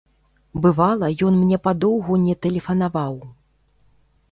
Бывала, ён мне падоўгу не тэлефанаваў.